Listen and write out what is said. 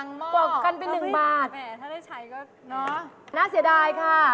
น่าเสียดายค่ะ